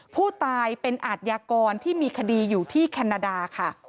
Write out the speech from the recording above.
ผู้ตายเป็นอาทยากรที่มีคดีอยู่ที่แคนาดาค่ะ